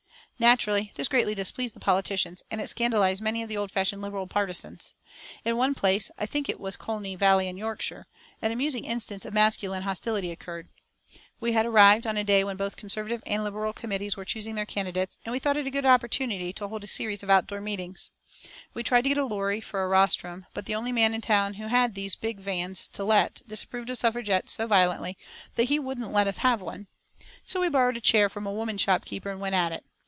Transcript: Naturally, this greatly displeased the politicians, and it scandalised many of the old fashioned Liberal partisans. In one place, I think it was Colne Valley in Yorkshire, an amusing instance of masculine hostility occurred. We had arrived on a day when both Conservative and Liberal committees were choosing their candidates, and we thought it a good opportunity to hold a series of outdoor meetings. We tried to get a lorry for a rostrum, but the only man in town who had these big vans to let disapproved of Suffragettes so violently that he wouldn't let us have one. So we borrowed a chair from a woman shopkeeper, and went at it.